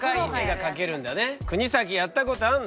国崎やったことあんの？